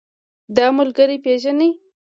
دا ملګری پيژنې؟